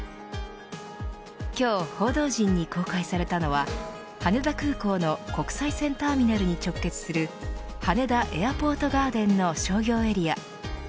今日、報道陣に公開されたのは羽田空港の国際線ターミナルに直結する羽田エアポートガーデンの商業エリア。